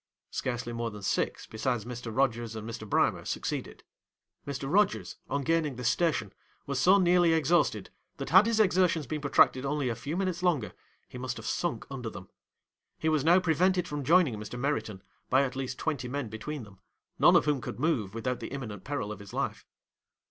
Scarcely more than six, besides Mr. Rogers and Mr. Brimer, succeeded. 'Mr. Rogers, on gaining this station, was so nearly exhausted, that had his exertions been protracted only a few minutes longer, he must have sunk under them. He was now prevented from joining Mr. Meriton, by at least twenty men between them, none of whom could move, without the imminent peril of his life.